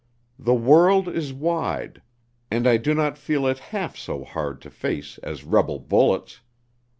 The world is wide, and I do not feel it half so hard to face as rebel bullets.